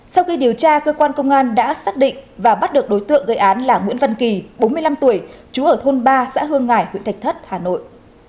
sau khi điều tra cơ quan công an đã xác định và bắt được đối tượng gây án là nguyễn văn kỳ bốn mươi năm tuổi chú ở thôn ba xã hương ngải huyện thạch thất hà nội